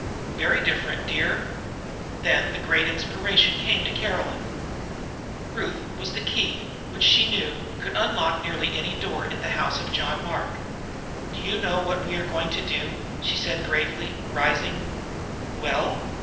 "Very different, dear." Then a great inspiration came to Caroline. Ruth was a key which, she knew, could unlock nearly any door in the house of John Mark. "Do you know what we are going to do?" she asked gravely, rising. "Well?"